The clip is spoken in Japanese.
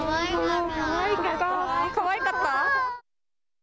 かわいかった。